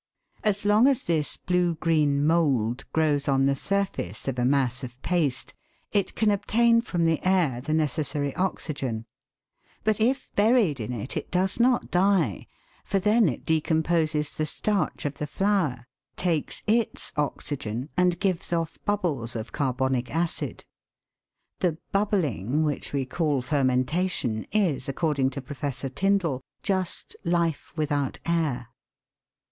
As long as this blue green "mould " grows on the surface of a mass of paste, it can obtain from the air the necessary oxygen ; but if buried in it it does not die, for then it de composes the starch of the flour, takes its oxygen, and gives off bubbles of carbonic acid. The "bubbling" which we call fermentation, is, according to Professor Tyndall, just " life without air."